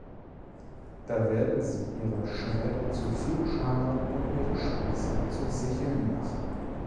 Da werden sie ihre Schwerter zu Pflugscharen und ihre Spieße zu Sicheln machen.